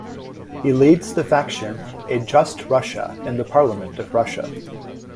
He leads the faction A Just Russia in the Parliament of Russia.